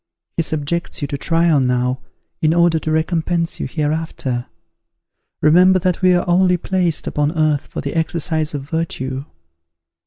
He subjects you to trial now, in order to recompense you hereafter. Remember that we are only placed upon earth for the exercise of virtue."